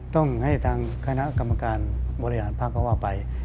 ต้องให้ทางคณะกรรมการบริหารพักก็ว่าไป